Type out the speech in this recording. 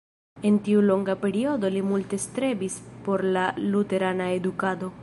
En tiu longa periodo li multe strebis por la luterana edukado.